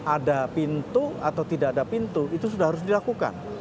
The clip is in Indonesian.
ada pintu atau tidak ada pintu itu sudah harus dilakukan